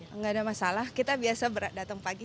enggak ada masalah kita biasa datang pagi